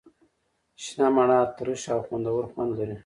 شنه مڼه ترش او خوندور خوند لري.